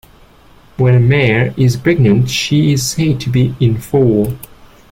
When a mare is pregnant, she is said to be "in foal".